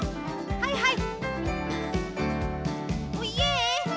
はいはい。